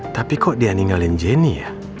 tapi kok dia ninggalin jenny ya